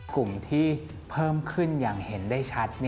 กลุ่มที่เพิ่มขึ้นอย่างเห็นได้ชัด